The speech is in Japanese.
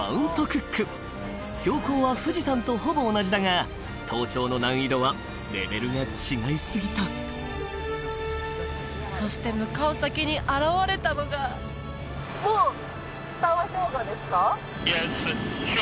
クック標高は富士山とほぼ同じだが登頂の難易度はレベルが違いすぎたそして向かう先に現れたのがもう下は氷河ですか？